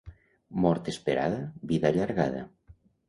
Mort esperada, vida allargada.